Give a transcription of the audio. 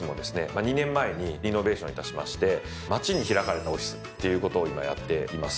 ２年前にリノベーションいたしまして街に開かれたオフィスっていうことを今やっています。